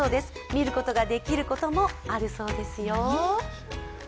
見ることができることもあるそうですよ。